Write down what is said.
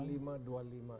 satu lima dua lima